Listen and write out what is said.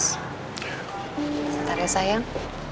sebentar ya sayang